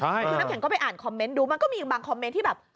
คือน้ำแข็งก็ไปอ่านคอมเมนต์ดูมันก็มีอีกบางคอมเมนต์ที่แบบ